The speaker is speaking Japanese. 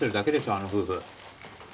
あの夫婦